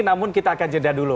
namun kita akan jeda dulu